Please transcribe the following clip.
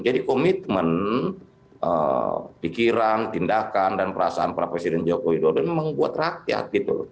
jadi komitmen pikiran tindakan dan perasaan pak presiden joko widodo memang membuat rakyat